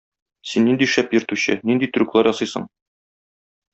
Син нинди шәп йөртүче, нинди трюклар ясыйсың.